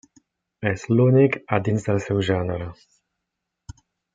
És l'únic a dins del seu gènere.